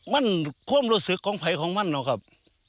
มันความรู้สึกของภัยของมันนะครับ